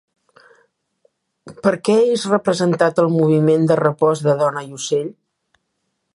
Per què és representat el moviment de repòs de Dona i ocell?